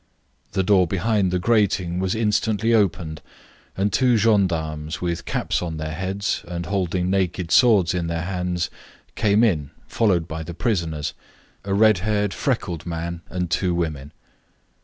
The door behind the grating was instantly opened, and two gendarmes, with caps on their heads, and holding naked swords in their hands, came in, followed by the prisoners, a red haired, freckled man, and two women.